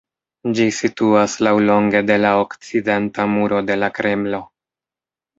Ĝi situas laŭlonge de la okcidenta muro de la Kremlo.